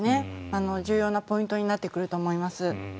重要なポイントになってくると思います。